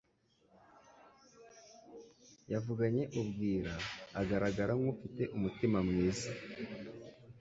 yavuganye ubwira, agaragara nk'ufite umutima mwiza,